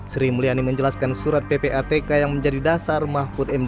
sri mulyani menjelaskan surat ppatk yang menjadi dasar mahfud md